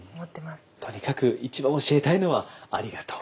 とにかく一番教えたいのはありがとう。